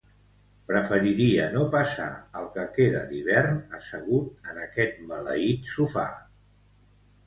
Preferiria no passar el que queda d'hivern assegut en aquest maleït sofà!